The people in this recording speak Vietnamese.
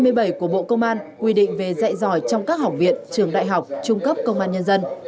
điều hai mươi bảy của bộ công an quy định về dạy giỏi trong các học viện trường đại học trung cấp công an nhân dân